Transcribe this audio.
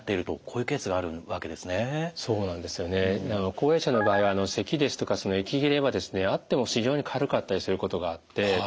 高齢者の場合はせきですとか息切れはあっても非常に軽かったりすることがあって。